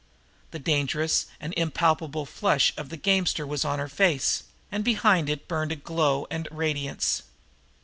The dangerous and impalpable flush of the gamester was on her face, and behind it burned a glow and radiance.